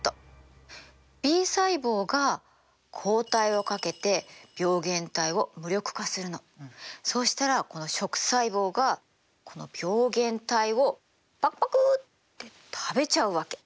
Ｂ細胞がそうしたらこの食細胞がこの病原体をパクパクって食べちゃうわけ。